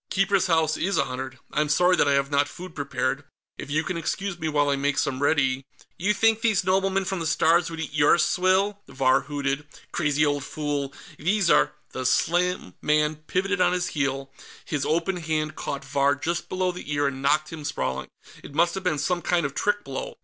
"Keeper's House is honored. I'm sorry that I have not food prepared; if you can excuse me while I make some ready...." "You think these noblemen from the Stars would eat your swill?" Vahr hooted. "Crazy old fool, these are " The slim man pivoted on his heel; his open hand caught Vahr just below the ear and knocked him sprawling. It must have been some kind of trick blow.